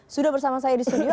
sudah bersama saya di studio